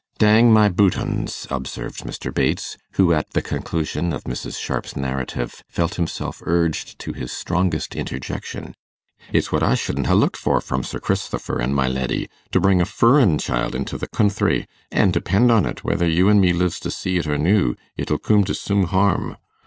'Dang my boottons!' observed Mr. Bates, who, at the conclusion of Mrs. Sharp's narrative, felt himself urged to his strongest interjection, 'it's what I shouldn't ha' looked for from Sir Cristhifer an' my ledy, to bring a furrin child into the coonthry; an' depend on't, whether you an' me lives to see't or noo, it'll coom to soom harm.